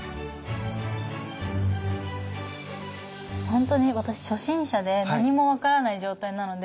ほんとに私初心者で何も分からない状態なので。